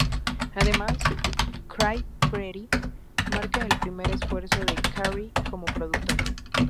Además, "Cry Pretty" marca el primer esfuerzo de Carrie como productor.